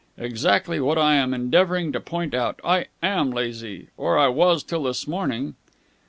"Exactly what I am endeavouring to point out. I am lazy. Or, I was till this morning."